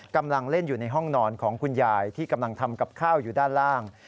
กำลังเล่นอยู่ในห้องนอนของคุณยายที่กำลังทำกับข้าวอยู่ด้านล่าง